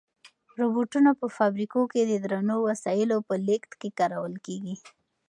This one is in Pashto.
روبوټونه په فابریکو کې د درنو وسایلو په لېږد کې کارول کیږي.